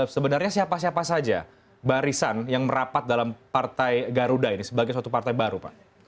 sebenarnya siapa siapa saja barisan yang merapat dalam partai garuda ini sebagai suatu partai baru pak